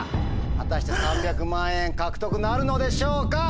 果たして３００万円獲得なるのでしょうか？